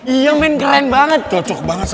iya men keren banget